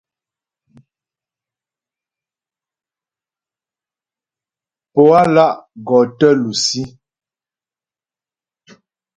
Pǒ á lá' gɔ tə lusí.